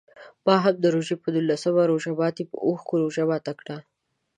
ما هم د روژې په نولسم روژه ماتي په اوښکو روژه ماته کړه.